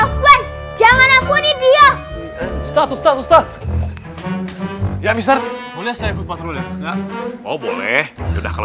afwan jangan ampuni dia status status tak ya mister boleh saya patroli oh boleh udah kalau